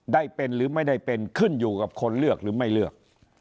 ได้เป็นหรือไม่ได้เป็นขึ้นอยู่กับคนเลือกหรือไม่เลือก